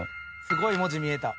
すごい文字見えた。